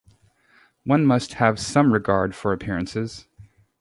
One must have some regard for appearances.